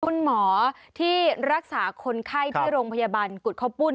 คุณหมอที่รักษาคนไข้ที่โรงพยาบาลกุฎข้าวปุ้น